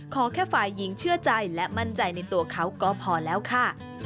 ขอแค่ฝ่ายหญิงเชื่อใจและมั่นใจในตัวเขาก็พอแล้วค่ะ